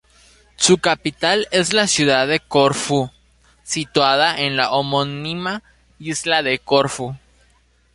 Su capital es la ciudad de Corfú, situada en la homónima isla de Corfú.